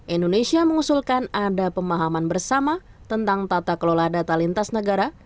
indonesia mengusulkan ada pemahaman bersama tentang tata kelola data lintas negara